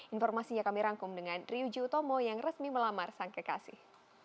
informasinya kami rangkum dengan ryuji utomo yang resmi melamar sang kekasih